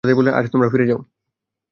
তারপর তাদের বললেন, আজ তোমরা ফিরে যাও।